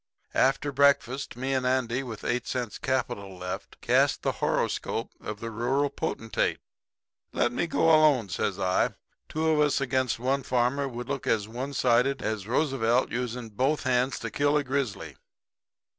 "After breakfast me and Andy, with eight cents capital left, casts the horoscope of the rural potentate. "'Let me go alone,' says I. 'Two of us against one farmer would look as one sided as Roosevelt using both hands to kill a grizzly.'